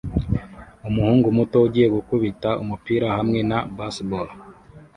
Umuhungu muto ugiye gukubita umupira hamwe na baseball